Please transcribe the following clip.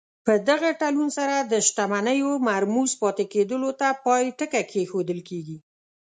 په دغه تړون سره د شتمنیو مرموز پاتې کېدلو ته پای ټکی کېښودل شو.